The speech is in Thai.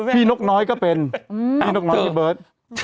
นกน้อยก็เป็นพี่นกน้อยพี่เบิร์ต